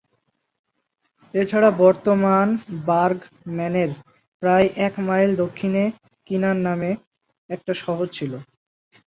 এছাড়া, বর্তমান বার্গম্যানের প্রায় এক মাইল দক্ষিণে কিনার নামে একটা শহর ছিল।